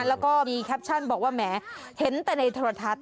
แล้วก็มีแคปชั่นบอกว่าแหมเห็นแต่ในโทรทัศน